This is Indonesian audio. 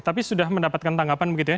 tapi sudah mendapatkan tanggapan begitu ya